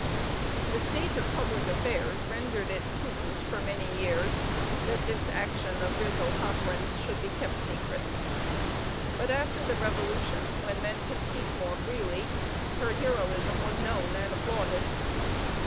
The state of public affairs rendered it prudent for many years that this action of Grizel Cochrane's should be kept secret; but after the Revolution, when men could speak more freely, her heroism was known and applauded.